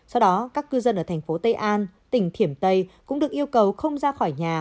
sau đó các cư dân ở thành phố tây an tỉnh thiểm tây cũng được yêu cầu không ra khỏi nhà